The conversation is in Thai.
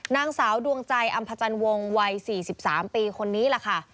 นางสาวดวงใจอำพจันวงวัย๔๓ปีคนนี้แหละค่ะ